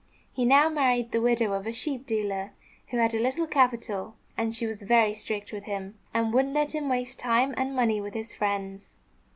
He now married the widow of a sheep dealer, who had a little capital; and she was very strict with him, and wouldn't let him waste time and money with his friends.